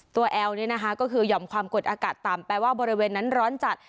แอลนี่นะคะก็คือหย่อมความกดอากาศต่ำแปลว่าบริเวณนั้นร้อนจัด